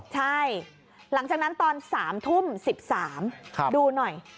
ใช่หลังจากนั้นตอน๓ทุ่ม๑๓ดูหน่อย